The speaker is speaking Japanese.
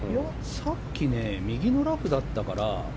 さっき右のラフだったから。